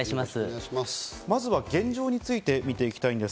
まずは現状について見ていただきたいと思います。